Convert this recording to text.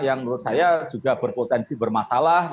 yang menurut saya juga berpotensi bermasalah